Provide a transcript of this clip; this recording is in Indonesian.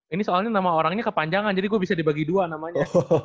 ini soalnya nama orangnya kepanjangan jadi kok bisa dibagi dua namanya